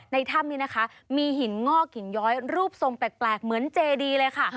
ถ้ำนี้นะคะมีหินงอกหินย้อยรูปทรงแปลกเหมือนเจดีเลยค่ะ